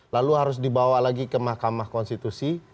lalu harus dibawa lagi ke mahkamah konstitusi